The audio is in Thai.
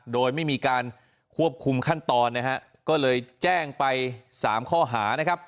โดยไม่มีการควบคุมขั้นตอนนะฮะก็เลยแจ้งไป๓ข้อหานะครับ